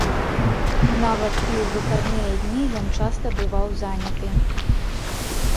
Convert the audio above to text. Нават і ў выхадныя дні ён часта бываў заняты.